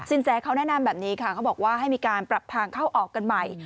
แสเขาแนะนำแบบนี้ค่ะเขาบอกว่าให้มีการปรับทางเข้าออกกันใหม่